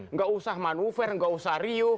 enggak usah manuver enggak usah rio